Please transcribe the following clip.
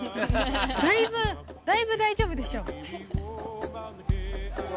だいぶ、だいぶ大丈夫でしょ。